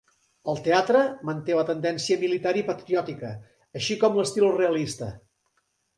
El teatre manté la tendència militar i patriòtica, així com l'estil realista.